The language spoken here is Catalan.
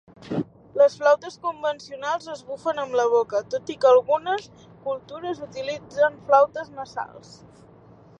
Les flautes convencionals es bufen amb la boca, tot i que algunes cultures utilitzen flautes nasals.